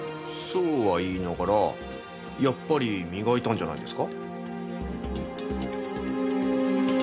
そうは言いながらやっぱり磨いたんじゃないですか？